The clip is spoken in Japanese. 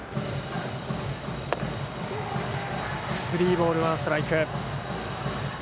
スリーボールワンストライク。